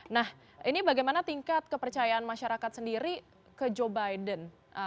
nah ini bagaimana tingkat kepercayaan masyarakat sendiri ke joe biden